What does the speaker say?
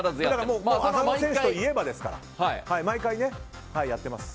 浅野選手といえばですから毎回やってます。